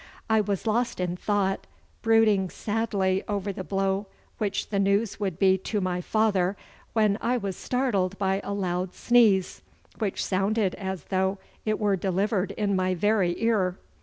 I was lost in thought, brooding sadly over the blow which the news would be to my father, when I was startled by a loud sneeze, which sounded as though it were delivered in my very ear.